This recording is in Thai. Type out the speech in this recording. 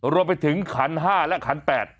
รวมไปถึงขัน๕และขัน๘